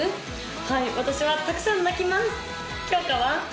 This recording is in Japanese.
はい私はたくさん泣きますきょうかは？